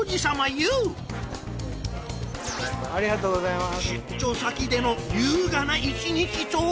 ＹＯＵ出張先での優雅な一日とは？